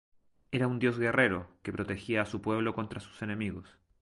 Era un dios guerrero, que protegía a su pueblo contra sus enemigos.